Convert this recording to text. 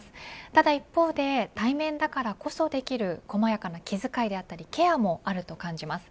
ただ一方で対面だからこそできる細やかな気遣いやケアもあると感じます。